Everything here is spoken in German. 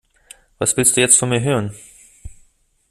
Was willst du jetzt von mir hören?